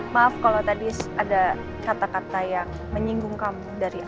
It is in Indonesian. maaf kalau tadi ada kata kata yang menyinggung kamu dari awal